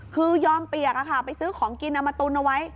คือยอมเปียกไปซื้อของกินเอามาตุนเอาไว้